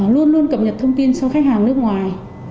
luôn luôn cập nhật thông tin cho khách hàng nước ngoài